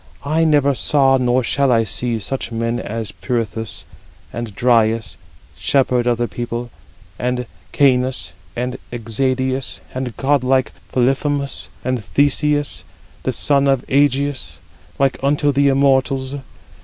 I never saw, nor shall I see, such men as Pirithous, and Dryas, shepherd of the people, and Cæneus, and Exadius, and god like Polyphemus, 32 and Theseus, the son of Ægeus, like unto the immortals.